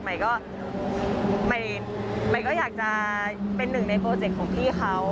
ใหม่ก็ใหม่ก็อยากจะเป็นหนึ่งในโปรเจคของพี่เขา